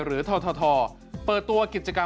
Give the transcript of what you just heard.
หรือท่อท่อเปิดตัวกิจกรรม